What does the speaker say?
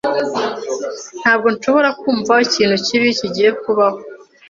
Ntabwo nshobora kumva ikintu kibi kigiye kubaho.